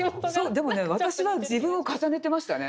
でも私は自分を重ねてましたよね。